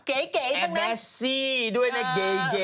แอดแกซี่ด้วยนะเก๋